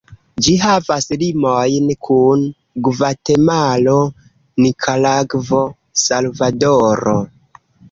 Ĝi havas limojn kun Gvatemalo, Nikaragvo, Salvadoro.